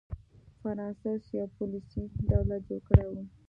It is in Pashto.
فرانسس یو پولیسي دولت جوړ کړی و.